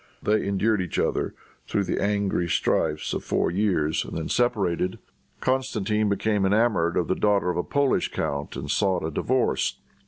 They endured each other through the angry strifes of four years and then separated. Constantine became enamored of the daughter of a Polish count, and sought a divorce.